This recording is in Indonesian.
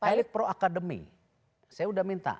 pak erick pro akademi saya udah minta